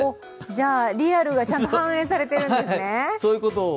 じゃあ、リアルがちゃんと反映されているんですね。